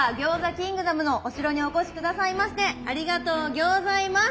キングダムのお城にお越し下さいましてありがとうギョーザいます。